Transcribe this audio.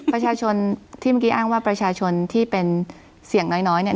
ประชาชนที่เมื่อกี้อ้างว่าประชาชนที่เป็นเสี่ยงน้อยเนี่ย